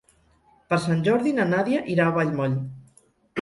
Per Sant Jordi na Nàdia irà a Vallmoll.